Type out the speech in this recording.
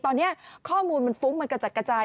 ตอนนี้ข้อมูลมันฟุ้งมันกระจัดกระจาย